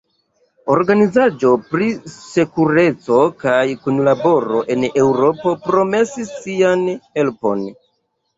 Organizaĵo pri Sekureco kaj Kunlaboro en Eŭropo promesis sian helpon.